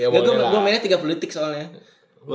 gue mainnya tiga puluh detik soalnya